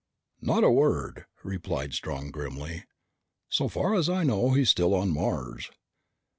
"Not a word," replied Strong grimly. "So far as I know, he's still on Mars."